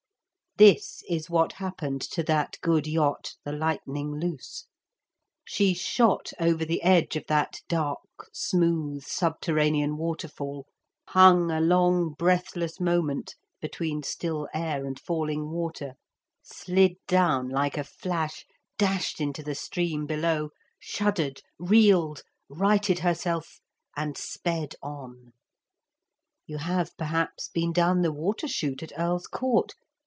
This is what happened to that good yacht, the Lightning Loose. She shot over the edge of that dark smooth subterranean waterfall, hung a long breathless moment between still air and falling water, slid down like a flash, dashed into the stream below, shuddered, reeled, righted herself and sped on. You have perhaps been down the water chute at Earl's Court?